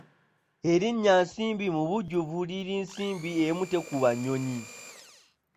Erinnya Nsimbi mubujjuvu liri Nsimbi emu tekuba nnyonyi.